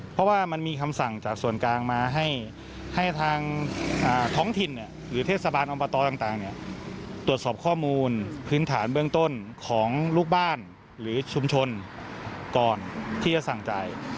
เพราะว่ามันมีคำสั่งจากส่วนกลางมาให้ทางท้องถิ่นหรือเทศบาลอบตต่างตรวจสอบข้อมูลพื้นฐานเบื้องต้นของลูกบ้านหรือชุมชนก่อนที่จะสั่งจ่าย